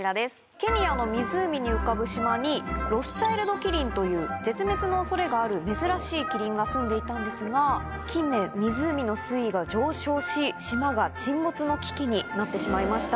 ケニアの湖に浮かぶ島にロスチャイルドキリンという絶滅の恐れがある珍しいキリンがすんでいたんですが近年湖の水位が上昇し島が沈没の危機になってしまいました。